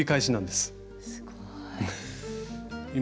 すごい。